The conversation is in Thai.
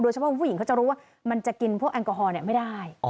เฉพาะผู้หญิงเขาจะรู้ว่ามันจะกินพวกแอลกอฮอลไม่ได้